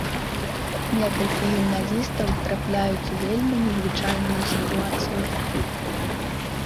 Некалькі гімназістаў трапляюць у вельмі незвычайную сітуацыю.